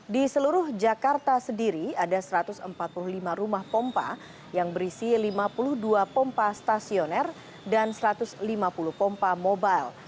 di seluruh jakarta sendiri ada satu ratus empat puluh lima rumah pompa yang berisi lima puluh dua pompa stasioner dan satu ratus lima puluh pompa mobile